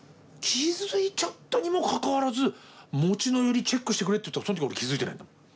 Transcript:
気付いちゃったにもかかわらず餅のヨリチェックしてくれって時その時俺気付いてないんだもん。